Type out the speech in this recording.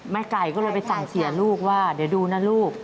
ไก่ก็เลยไปสั่งเสียลูกว่าเดี๋ยวดูนะลูก